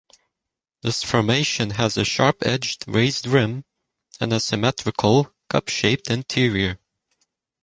This formation has a sharp-edged, raised rim and a symmetrical, cup-shaped interior.